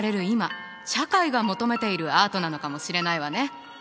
今社会が求めているアートなのかもしれないわね。